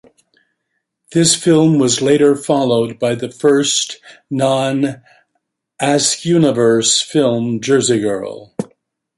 This film was later followed by the first non-Askewniverse film, "Jersey Girl".